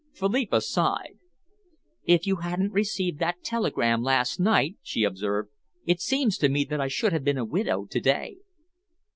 Philippa sighed. "If you hadn't received that telegram last night," she observed, "it seems to me that I should have been a widow to day."